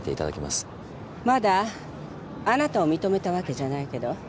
まだあなたを認めたわけじゃないけど。